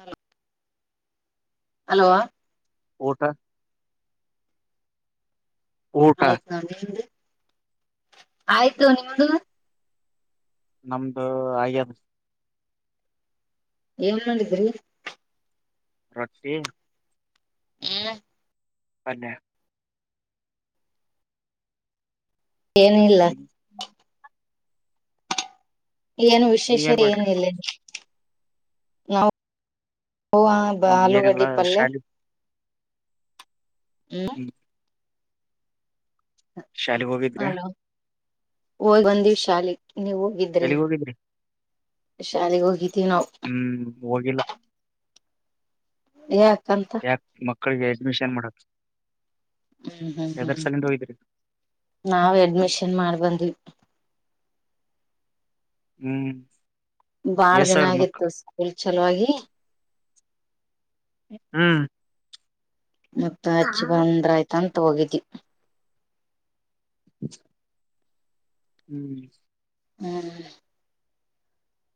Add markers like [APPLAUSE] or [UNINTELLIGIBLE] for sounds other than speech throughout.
Arab hello ಓಟ ಆಯ್ತ ನಾ ನಿಮ್ದ ಆಯ್ತು ನಿಮ್ದು ನಮ್ದು ಆದು ಏನ್ ನೋಡಿದ್ರಿ ರಿ ಹ್ಮ ಅಲ್ಲೆ ಏನು ಇಲ್ಲ ಏನು ವಿಶೇಷ ನೀವೇನ್ ಏನ ಮಾಡ್ರಿ ಇಲ್ಲ ಹಾ ಆಲೂ ಏನಿಲ್ಲ ಗಡಿ ಪಲ್ಲೇ ಶಾಲಿ ಹ್ಮ ಹ್ಮ್ ಶಾಲೆಗ್ ಹೋಗಿದ್ರೆ ಹಲೋ ಹೋಗ್ ಒಂದಿವ್ ಶಾಲೆ ನೀವು ಇದ್ರಿ ಎಲ್ಲಿಗ್ ಹೋಗಿದ್ರಿ ಶಾಲೆಗೆ ಹೋಗಿ ಹ್ಮ್ ಹೋಗಿಲ್ಲ ಯ [UNINTELLIGIBLE] ಕಳ್ಳ ಎಡ್ಮಿಷನ್ ಮಾಡ ಹ್ಮ ನಾವ್ ಅಡ್ಮಿಷನ್ ಮಾಡ್ಬಂತ. ಹ್ಮ. ಹ್ಮ್. ಬಾಳ ಎಸ್ ದಿನ ಸಾವಿರ ಆಗಿತ್ತು ಮಕ್ಕಳು ಸ್ಕೂಲ್ ಚಲೋುವಾಗಿ ಹ್ಮ್ ಮತ್ತತ್ ಹಚ್ಚಿ ಬಂದ್ರ ಆಯ್ತಂತ ಹೋಗಿದ್ದಿ. [UNINTELLIGIBLE] ಹ್ಮ್.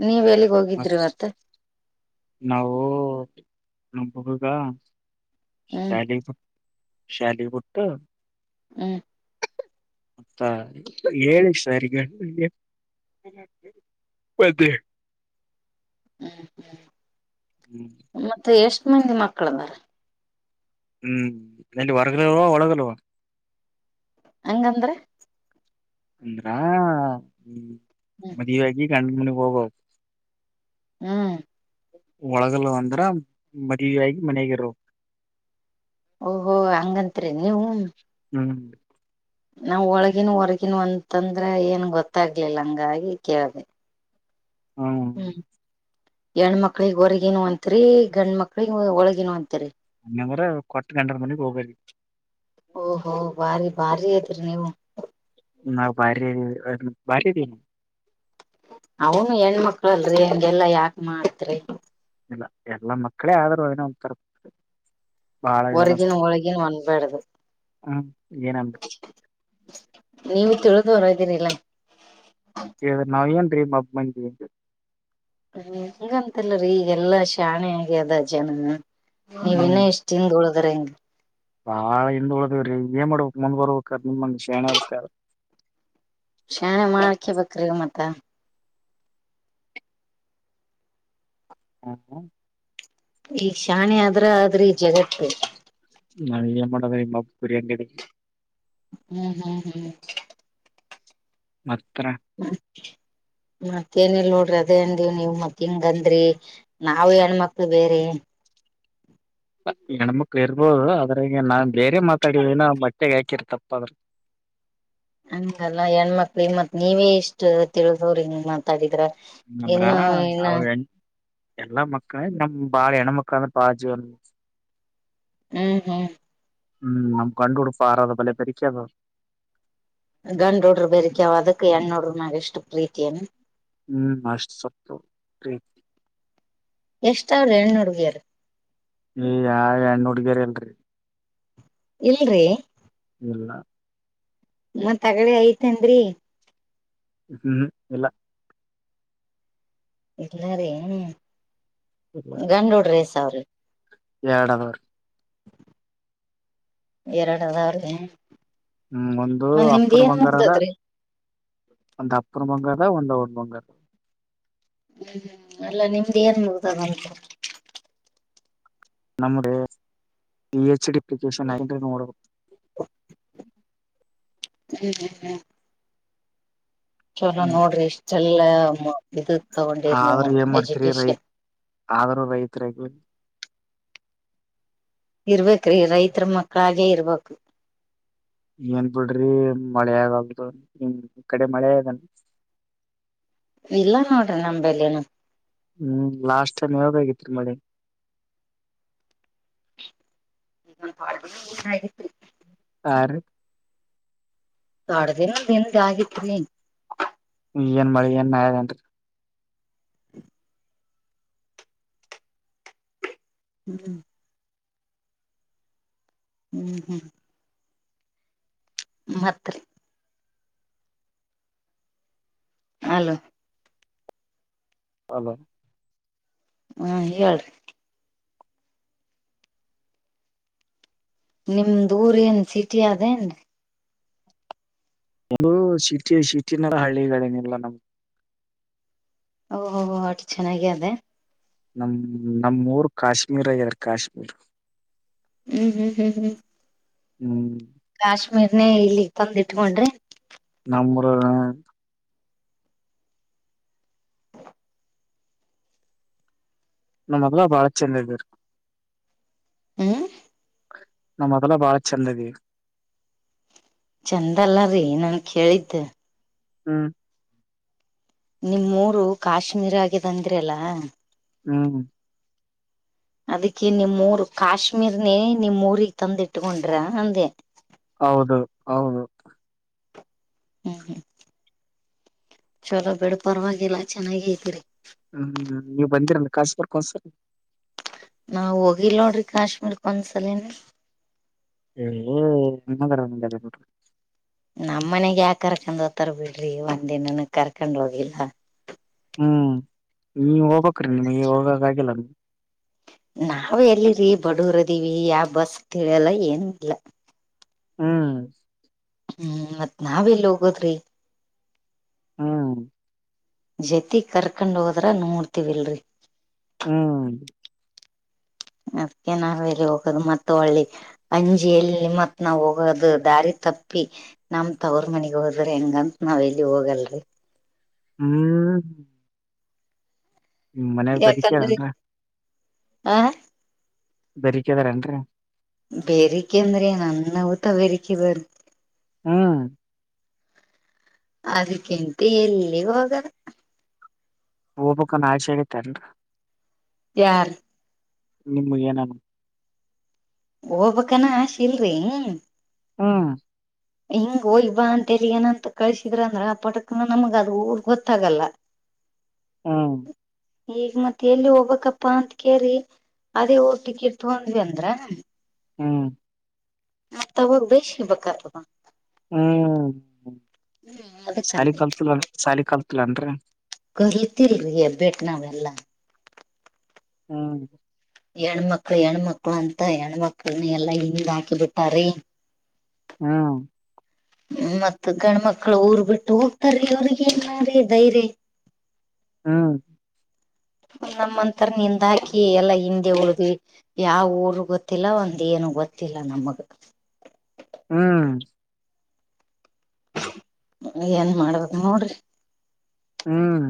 ಹ್ಮ್. ನೀವ್ ಎಲ್ಲಿಗ್ ಮತ್ ಹೋಗಿದ್ರಿ ಇವತ್ತ [UNINTELLIGIBLE] ನಾವು [UNINTELLIGIBLE] ಹ್ಮ್ ಶಾಲ ಶ್ಯಾಲಿವುುಡ್ ತ. ಹ್ಮ್. ಮತ್ತಾ ಹೇಳ ಸರಿಗಗೆ ಮತ್ತೆ. ಹ್ಮ್ ಹ್ಮ್ ಮತ್ತೆ ಎಷ್ಟ್ ಮಂದಿ ಮಕ್ಕಳಂದ್ರ. ಹ್ಮ್ ನಟ ಹೊರಗಲ್ಲ್ವಾ ಒಳಗಲ್ವಾ ಹಂಗಂದ್ರೆ ಅಂದ್ರಾ ಹ್ಮ ಹ್ಮ್ ಮದುವಾಗಿ ಎಟ ಮಣಿ ಪಬೋ. ಹ್ಮ್. ಒಳಗಲ್ಲ ಅಂದ್ರ ಮದ್ ಆಾಗಿ ಮನಗಿರರು. ಓಹೋ ಹಂಗಂತ್ರಿ ನೀವು. ಹ್ಮ್. ನಾವ್ ಒಳಗಿನ ಹೊರ್ಗಿನ ಅಂತಂದ್ರ ಏನ್ ಗೊತ್ತಾಗ್ಲಿಲ್ಲ ಹಂಗಾಗಿ ಕೇಳ್ದ. ಹ್ಮ. ಹೆಣ್ಮಕ್ಳಗ್ ಹೊರಗಿನ ಅಂತತ್ರಿ ಗಂಡ ಮಕ್ಳಿಗೆ ಒಳಗಿನ ಅಂತತ್ರಿ. ಅಮ್ಮಂಗರ ಕೊಟ್ಟ ಗಂಟರ ಮನೆಿಗೆ ಹೋಗೋಗರಿ. ಓಹೋ ಬಾರಿ ಬಾರಿ ಐತ್ರಿ ನೀವು ನ ಬ ಬಾರಿನ ಅವನು ಹೆಣ್ಮಕ್ಳಲ್ರಿ ಹೆಂಗೆಲ್ಲಾ ಯಾಕ್ ಮಾಡತ್ರಿ ಇಲ್ಲ ಎಲ್ಲಾ ಮಕ್ಕಳೇ ಆದ್ರು ನ ಒ ತರ ಬಾಳ ಇದನ ಹೊರಗಿನ ಒಳಗಿನ ಅನ್ಬ್ಯಾಡ್ದು ಹ್ಮ ಏನನ್ ನೀವು ತಿಳಿದ್ ಹೊರ್ದೀರಿಲ್ಲ ಹ್ರ ನಾವ್ ಏನ್ ಮಬ್ ಹ ಹಂಗಂತಲ್ಲರಿೀ ಈಗೆಲ್ಲಾ ಶಾಣೆ ಆಗ್ಯ ಅದ ಜನ ನೀವ ಹ್ಮ್ ಇ ಎಷ್ಟ್ ದಿಂದೋಳ ೇ ಬಾಳ ಹಿಂದ ಉಳ್ದವ್ರಿ ಏನ್ ಮಾಡ್ಬೇಕಕ್ ಮುಂದ್ ಬರ್ಬೇಕ್ರ ನಿಮ್ಂಗ ಶಣ ಆಗ್ಬೇಕ ಶಾಣೆ ಮಾಡಕ ಬ್ರಿಗ ಮತ್ತ ಹಾ ಹ ಈಗ ಶಾಣಿ ಆದ್ರ ಆದ್ರಿ ಜಗತ್ತು ನಳ ಅಮ್ಮೊಂಡಮ್ಮ ಕುರಿನ್ ಕಿ ಹ್ಮ್ ಹ್ಮ್ ಹ್ಮ್ ಮತ್ತ ಕತ್ರರ ಮತ್ತೇಏನಲ್ ನೋಡ್ರಿ ಅದೇ ಅನ್ಿವವ್ ನೀವ್ ಮತ್ ಹಿಂಗ ಅಂದ್ರಿ ನಾವವು ಹೆಣ್ಮಕ್ಳ ಬೇರೆ [UNINTELLIGIBLE] ಹೆಣ್ಮಕ್ಳು ಇರ್ಬೋದು ಅದ್ರ ನಾನ್ ಬೇರೆ ಮಾತಾಡಿದ ನ ಬಟ್ಟೆೆಗೆ ಹಾಕಿರ್ತಪ್ಪ ಅದ್ರ ಹಂಗಲ್ಲ ಹೆಣ್ಮಕ್ಳ ಮತ್ ನೀವೇ ಇಷ್ಟ ತಿಳಿದವ್ರ ಹಿಂಗ ಮಾತಾಡಿದ್ರ ಹ ನಮ್ರಾ ಇನ್ನು ಇನ್ನ ನಾವು ಎನ್ ಎಲ್ಲಾ ಮಕ್ಕಳ ನಮ್ಮ್ ಬಾಳ ಎಣ್ಣ ಮಕ್ಕಳ ಪಚ ಹ್ಮ್ ಹ್ಮ್ ಹ್ಮ್ ನಮ ಕಂಡು ಕೊಡು ಪಾರ ಬಲೆ ಪದ ಗಂಡ್ ನೋಡ್ರರು ಬೇ್ರ ಕೆಾವ ಅದಕ್ ಹೆಣ್ಣ ನೋಡ್ರರು ನಾಗ ಎಷ್ಟು ಪ್ರೀತಿಯನೆ ಹ್ಮ್ ಮಷ್ಟ ಸ ಎಷ್ಟ ಅವ್ರ ಹೆಣ ಹುಡುಗಿಯಾರ ಏ ಯಾವ ಹೆಣ್ಣ ಹುಡ್ಗರಿ ಇಲ್ರಿ ಇಲ್ರಿ ಲ್ಲ ಮತ್ತಗಡೆ ಐತೆೇನ್ರಿ ಹ್ಮ ಹ್ಮ ಇಲ್ಲ ಇಲ್ಲಾರೇನು ಗಂಡಡ್ರಿ ಸಾವ್ರಿ ಎರಡದವರು ಎರಡುದಾ ಹ್ಮ್ ಒಂದು ಅಪ್ಪನ ಬಂಗಾರ ಅದ ಒಂದು ಅಪ್ಪ ಒ ಮಂಗಾರದಾ ಒಂದಾ ಓಣ ಮಂಗಾರ ಹ್ಮ್ ಅಲ್ಲಾ ನಿಮ್ದ್ ಏನ್ದ ಬರ್ತ ನಮ್ಮ ಪಿ ಹೆಚ್ ಡಿ [INAUDIBLE] [INAUDIBLE] [UNINTELLIGIBLE] ಚಲೋ ನೋಡ್ರಿ. ಇಷ್ಟ ಎಲ್ಲಾ, [UNINTELLIGIBLE] ಆದ್ರೂ ಏನ್ ಮಾಡ್ತರಿ ರೈತ್ ಆದ್ರೂ ರೈತರಾಗವಿ. ಇರ್ಬೇಕ್ರಿ ರೈತರ ಮಕ್ಕಳಾಗೇ ಇರ್ಬೇಕು. ಏನ್ ಬಿಡ್ರಿ ಮಳೆ ಆಗವಲ್ದು ನಿಮ್ಕಡೆ ಮಳಿ ಆಗ್ಯದ ಏನ್ ಇಲ್ಲ ನೋಡ್ರಿ ನಂಬಲಿನು. ಹ್ಮ್ ಲಾಸ್ಟ್ ಟೈಮ್ ಯಾವಾಗ್ ಆಗಿತ್ತ ಮಳಿ. [UNINTELLIGIBLE] ಹಾರಿ. ಎರಡು ದಿನದ ಹಿಂದ ಆಗುತ್ತರಿ. ಏನ್ ಮಳಿ ಏನ್ ಆಗ್ಯದ ಹೇ. [INAUDIBLE] ಹ್ಮ. ಹ್ಮ್ ಹ್ಮ್ ಮತ್ರಿ. Hello hello. ಹ್ಮ ಹೇಳ್ರಿ. ನಿಮ್ದೂರ್ ಏನ್ ಸಿಟಿ ಆದನ್ರೀ. ಒ ಸಿಟಿ ಸಿಟಿನ ಹಳ್ಳಿಗಳೇನಿಲ್ಲ ನಮ್ಗೆ. ಓಹೋ ಹೋ ಅಟ ಚೆನ್ನಾಗ ಆದ ಏನ್. ನಮ ನಮ್ಮ ರ್ ಕಾಶ್ಮೀರ ಎಾರ್ ಕಾಶ್ಮೀರ್. ಹ್ಮ್ ಹ್ಮ್ ಹ್ಮ್ ಹ್ಮ್ ಹ್ಮ್ ಕಾಶ್ಮೀರ್ನೆ ಇಲ್ಲಿ ತಂದಿಟ್ಕೊಂಡ್ರಿ. [UNINTELLIGIBLE] ನಾ ಮೊದ್ಲ ಬಾಳ ಚೆಂದ ಇದ್ದ ರಿ ಹ್ಮ್ ನ ಮೊದಲ ಬಾಳ ಚಂದ. ಚಂದ ಅಲ್ಲರಿ ನನ ಕೇಳಿದ್ದ. ಹ್ಮ್. ನಿಮ್ಮ್ ಊರು ಕಾಶ್ಮೀರ ಆಗ್ಯದ ಅಂದ್ರ ಅಲ್ಲಾ. ಹ್ಮ. ಅದಕ್ಕೆ ನಿಮ್ಮೂರು ಕಾಶ್ಮೀರ್ನೆೇ ನಿಮ್ಮ್ ಊರಿಗೆ ತಂದಿಟ್ಕೊಂಡ್ರ ಅಂದೆ. ಹೌದು ಹೌದು. ಹ್ಮ. ಚಲೋ ಬಿಡ್ ಪರವಾಗಿಲ್ಲ ಚೆನ್ನಾಗ ಐತಿರಿ. ಹ್ಮ್ ನೀವ್ ಬಂದಿರೇನು ಕಾಶ್ಮೀರಕ್ ಒಂದ್ಸರಿ. ನಾವ ಹೋಗಿಲ್ಲ ನೋಡ್ರಿ ಕಾಶ್ಮೀರ್ಕ್ ಒಂದ್ಸಲಿನು. [UNINTELLIGIBLE] ನಮ್ ಮನೆಗ್ ಯಾರ ಕರ್ಕೊಂಡ ಹೋಗತಾರ ಬಿಡ್ರಿ ಒಂದಿನನು ಕರ್ಕೊಂಡ್ ಹೋಗಿಲ್ಲ. ಹ್ಮ್ ನೀ ಹೋಗ್ಬೇಕ್ರಿ ನಿಮಗೆ ಹೋಗಕ್ ಆಗಿಲ್ಲನು. ನಾವ ಎಲ್ಲಿರಿ ಬಡೂರದಿವಿ ಯಾ ಬಸ್ ತಿಳಿಯಲ್ಲ ಏನುೂ ಇಲ್ಲ. ಹ್ಮ್. ಹ್ಮ್ ಮತ್ ನಾವ ಎಲ್ಲಿ ಹೋಗೋದ್ರಿ. ಹೂಂ ಜತಿ ಕರ್ಕಂಡ್ ಹೋದ್ರ ನೋಡ್ತಿವಿಲ್ರಿ. ಹ್ಮ ಅದ್ಕ ನಾವ್ ಎಲ್ಲಿ ಹೋಗೋದು ಮತ್ ಒಳ್ಳಿ ಅಂಜಿ ಎಲ್ಲಿ ಮತ್ ನಾವ್ ಹೋಗೋದು ದಾರಿ ತಪ್ಪಿ ನಮತ್ ಅವ್ರ ಮನಗ್ ಹೋದ್ರ ಹೆಂಗಂತ ನಾವ್ ಎಲ್ಲಿ ಹೋಗಲ್ರಿ. ಹ್ಮ್್ಮ ಹ್ಮ ಮನ್ಯಾಗ ಬಂದಿಕ್ಯಾವ ಯಾಕಂದ್ರೆ ಹಂಗ. ಆ. ಬೇರಿಕ್ಯದರ ಏನ್ರಿ. ಬೇರಿಕೆ ಅಂದ್ರೆ ನನ್ನ ಊತ ಬೇರಿಕ ಅದೇನ. ಹ್ಮ್ ಅದಕ್ಕಿಂತ ಎಲ್ಲಿ ಹೋಗಲ್ಲ. ಹೋಗಬಕ ನ ಆಸೆ ಅಗೆತಿ ಏನ್ರಿ. ಯಾರ. ನಿಮಗ ಏನನಾ. ಹೋಗಬೇಕ ಅನೊ ಆಶಿ ಇಲ್ರಿ. ಹ್ಮ. ಹಿಂಗ್ ಹಯ್ಬಾ ಅಂತಲ್ಲಿ ಏನಂತ ಕಳ್ಸಿದ್ರ ಅಂದ್ರ ಆ ಪಟಕ್ನ ನಮಗ ಅದು ಊರ್ ಗೊತ್ತಾಗಲ್ಲ. ಹಾ ಈಗ ಮತ್ತತ್ ಎಲ್ಲಿ ಹೋಗ್ಕಪ್ಪಾ ಅಂತ ಕೇಳರಿ ಅದೇ ಓಟಕ್ಕೆ ಇರ್ತ್ಂದ್ವಿ ಅಂದ್ರ. ಹಾ. [UNINTELLIGIBLE] ಹ್ಮ್ ಹ್ಮ್ ಸಾಲಿ ಅದಕ್ಕಂದೆ ಕಾಲ್ತಿಲ್ಲ ಸಾಲಿ ಕಾಲ್ತಿಲ್ಲ ಏನ್ರಿ ಅವ. ಕಾಲ್ತಿಲ್ಲರಿ ಹೆಬ್ಬೆಟ್ಟ ನಾವ ಎಲ್ಲಾ. ಹ್ಮ. ಹೆಣ್ಮಕ್ಳ ಹೆಣ್ಮಕ್ಳ ಅಂತ ಹೆಣ್ಮಕ್ಳನ್ನ ಎಲ್ಲಾ ಹಿಂದ್ ಹಾಕಿ ಬಿಟ್ಟಾರಿ. ಹ್ಮ್. ಮತ್ತ ಗಂಡ್ಮಕ್ಳ ಊರ್ ಬಿಟ್ಟು ಹೋಗ್ತಾರೆ ಅವ್ರಿಗೆ ಹೆಂಗ್ ನೋಡ್ರಿ ಧೈರ್ಯ. ಹ್ಮ. ನಮ್ಮಂತರ ನಿಂದ ಹಾಕಿ ಎಲ್ಲಾ ಹಿಂದೆ ಉಳಿದ್ವಿ ಯಾವ ಊರ್ ಗೊತ್ತಿಲ್ಲ ಒಂದ ಏನು ಗೊತ್ತಿಲ್ಲ ನಮಗ. ಹ್ಮ್. ಏನ್ ಮಾಡದು ನೋಡ್ರಿ. ಹ್ಮ್.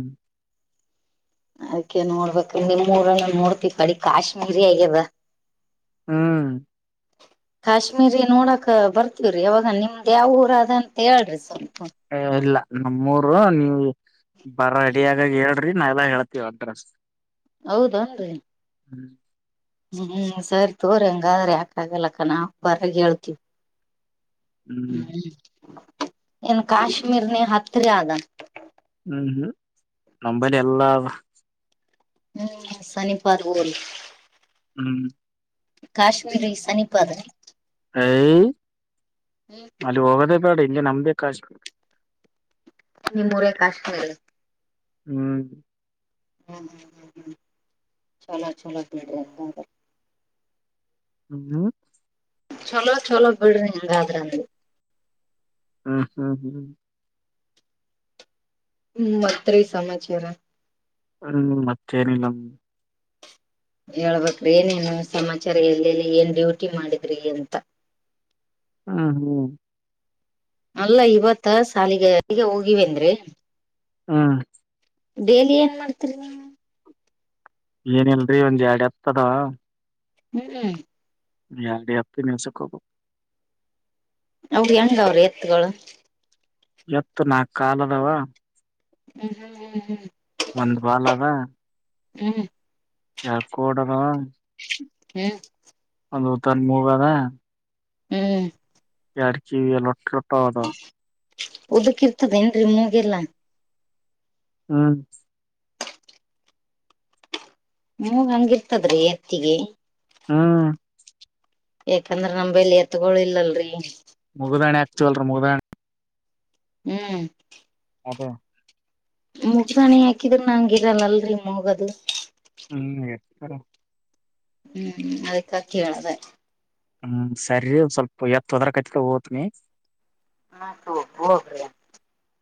ಅದ್ಕ್ಕೆ ನೋಡ್ಬೇಕ ನಿಮ್ಮೂಊರಲ್ಲ ನೋಡ್ತಿ ಕಡಿ ಕಾಶ್ಮೀರಿ ಆಗ್ಯದ. ಹ್ಮ. ಕಾಶ್ಮೀರಿ ನೋಡಕ ಬರ್ತವ್ರಿ ಯಾವಾಗ ನಿಮ್ದ್ ಯಾವ ಊರ ಅದ ಅಂತ ಹೇಳ್ರಿ ಸರ್. ಏ ಇಲ್ಲಾ. ನಮ್ಮೂರು ನೀವು ಬರ ರೆಡಿಯಗಾಗ ಹೇಳ್ರಿ ನಾವ ಎಲ್ಲ ಹೇಳ್ತೀವ ಅಡ್ರೆಸ್. ಹೌದನ್ರಿ. ಹ್ಮ್. ಹ್ಮ್ ಸರಿ ತೋರ ಹಂಗಾದ್ರೆ ಯಾಕಗಲಕ್ಕ ನಾವವು ಬರಗ ಹೇಳ್ತೀವಿ. ಹ್ಮ್ ಹ್ಮ್ಮ. ಏನ್ ಕಾಶ್ಮೀರ್ನ ಹತ್ರ ಆದ. ಹ್ಮ್ ಹ್ಮ್ ನಂಬಲ್ಲಿ ಎಲ್ಲಾ ಅದ. ಹ್ಮ್ ಸನಿಪಾದ ಅದ ಬಿಡ ಅಲ್ಲಿ. ಹ್ಮ್. ಕಾಶ್ಮೀರಿ ಸನಿಪಾದ ರೀ. ಹೂಂ ಹ್ಮ್ ಅಲ್ಲಿ ಹೋಗದ [UNINTELLIGIBLE] ನಿಮ್ಮೂರ ಕಾಶ್ಮೀರ್. ಹ್ಮ [UNINTELLIGIBLE] ಹ್ಮ್ ಚಲೋ ಚಲೋ ಬಿಡ ಹೆಂಗಾದ್ರ ಅ ಹ್ಮ್ ಹ್ಮ್ ಹ್ಮ್ ಹ್ಮ್ ಮತ್ ರಿ ಸಮಾಚಾರ. ಹ್ಮ್ ಮತ್ತೇನಿಲ್ಲ ಹಾ ಹೇಳ್ಬೇಕ್ರಿ ಏನೇನೋ ಸಮಾಚಾರ ಎಲ್ಲೆಲ್ಲಿ ಏನ್ ಡ್ಯೂಟಿ ಮಾಡಿದ್ರಿ ಅಂತ. ಹಾ ಹ್ಮ ಅಲ್ಲ ಇವತ್ತ ಶಾಲಿಗೆಗೆ ಹೋಗಿವೆನ್ ರೀ ಹಾ ಡೇಲಿ ಏನ್ ಮಾಡ್ತರಿ ನೀವು ಏನಲ್ರರಿ ಒಂದ್ ಎಡ್ ಎತದವ ಹ್ಮ್್ಮ [UNINTELLIGIBLE] ಹೆಂಗ್ ಅವ್ರಿ ಎತ್ಗಳು ಎತ್ತು ನಾ ಕಾಲದವಾ ಹ್ಮ್ ಹ್ಮ್ ಹ್ಮ್ ಹ್ಮ್ ಒಂದು ಬಾಲಾವ ಹ್ಮ್ ಎರಡ್ ಕೋಡ್ಯಾದವ ಹ್ಮ ಒಂದು ತನ್ ಮೂಗದ ಹ್ಮ್ [UNINTELLIGIBLE] ಹೌದು. ಊದುಕೀರ್ತಡೆನ್ರಿ ಏನ್ರರಿ ಮೂಗೆಲ್ಲ. ಹ್ಮ ಮೂಗ್ ಹೆಂಗ್ ಇರ್ತದ್ರಿ ಎತ್ತಿಗೆ ಹ್ಮ್ ಯಾಕಂದ್ರ ನಮ್ಲ್ಲಿ ಎತ್ಗೋ ಇಲ್ಲಲ್ರಿ. ಮುಗದಾಣೆ ಎತ್ [UNINTELLIGIBLE] ಹ್ಮ್ ಅದೆ ಮುಗ್ಧಣಿ ಹಾಕಿದ್ರ ನಂಗ ಇರಲ್ಲಲ್ರಿ ಮುಗದು [UNINTELLIGIBLE] ಹ್ಮ್ ಆಯ [UNINTELLIGIBLE] ಹ್ಮ್ ಸರಿ ಒಂದ್ ಸ್ವಲ್ಪ ಎತ್ ಹೋದ್ರ ಕತ್ಕ ಓತ್ನಿ. [UNINTELLIGIBLE]